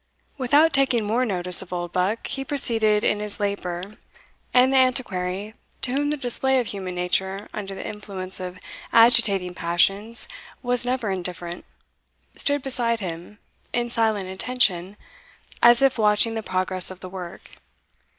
Without taking more notice of Oldbuck, he proceeded in his labour; and the Antiquary, to whom the display of human nature under the influence of agitating passions was never indifferent, stood beside him, in silent attention, as if watching the progress of the work.